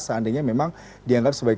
seandainya memang dianggap sebagai